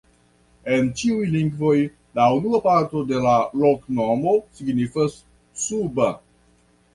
En ĉiuj lingvoj la unua parto de la loknomo signifas: suba.